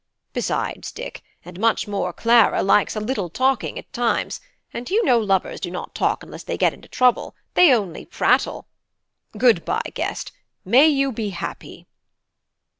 Besides, Dick, and much more Clara, likes a little talking at times; and you know lovers do not talk unless they get into trouble, they only prattle. Good bye, guest; may you be happy!"